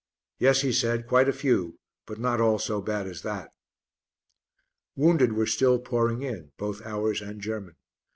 "Yes," he said, "quite a few, but not all so bad as that." Wounded were still pouring in, both ours and German.